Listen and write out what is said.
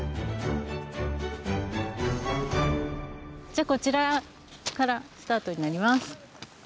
じゃあこちらからスタートになります。